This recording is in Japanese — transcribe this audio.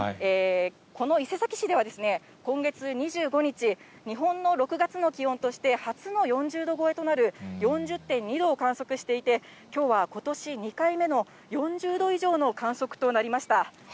この伊勢崎市では、今月２５日、日本の６月の気温として初の４０度超えとなる４０．２度を観測していて、きょうはことし２回目の４０度以上の観測となりました。